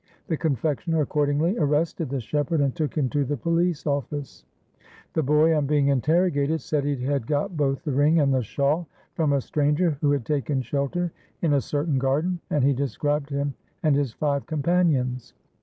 The confectioner accordingly arrested the shepherd and took him to the police office. The boy, on being interrogated, said he had got both the ring and the shawl from a stranger who had taken shelter in a certain garden, and he described him and his five companions.